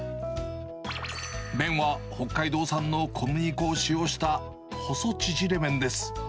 麺は北海道産の小麦粉を使用した細ちぢれ麺です。